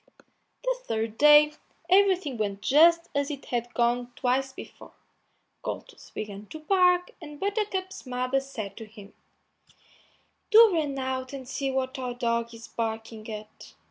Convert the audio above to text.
The third day everything went just as it had gone twice before; Goldtooth began to bark, and Buttercup's mother said to him, "Do run out and see what our dog is barking at."